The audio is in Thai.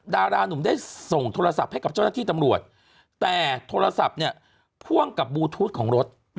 ดารานุ่มได้ส่งโทรศัพท์ให้กับเจ้าหน้าที่ตำรวจแต่โทรศัพท์เนี่ยพ่วงกับบลูทูธของรถ